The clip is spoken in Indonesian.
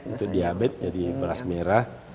beras diabet jadi beras merah